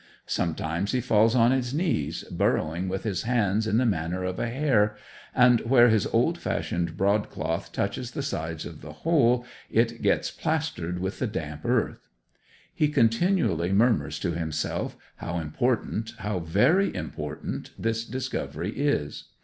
Sometimes he falls on his knees, burrowing with his hands in the manner of a hare, and where his old fashioned broadcloth touches the sides of the hole it gets plastered with the damp earth. He continually murmurs to himself how important, how very important, this discovery is!